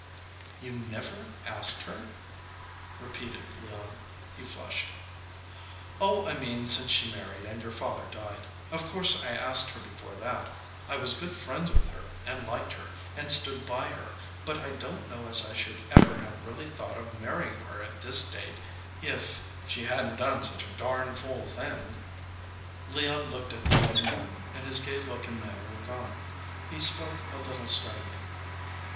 "You never asked her?" repeated Leon. He flushed. "Oh, I mean since she married and your father died. Of course I asked her before that. I was good friends with her, and liked her, and stood by her, but I don t know as I should ever have really thought of marrying her at this date if she hadn t done such a darn fool thing." Leon looked at the older man, and his gay look and manner were gone. He spoke a little sternly.